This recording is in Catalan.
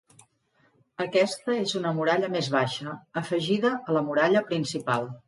Aquesta és una muralla més baixa, afegida a la muralla principal.